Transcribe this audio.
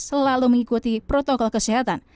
selalu mengikuti protokol kesehatan